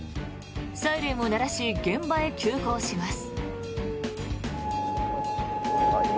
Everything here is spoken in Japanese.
サイレンを鳴らし現場へ急行します。